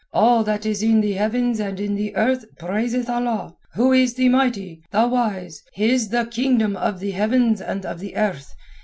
All that is in the Heavens and in the Earth praiseth Allah, Who is the Mighty, the Wise! His the kingdom of the Heavens and of the Earth.